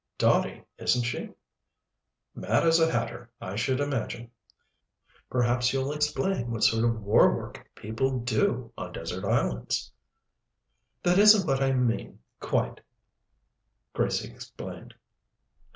"Dotty, isn't she?" "Mad as a hatter, I should imagine." "Perhaps you'll explain what sort of war work people do on desert islands?" "That isn't what I mean, quite," Gracie explained.